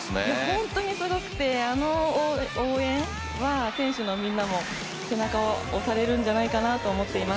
本当にすごくてあの応援は選手のみんなも背中を押されるんじゃないかなと思っています。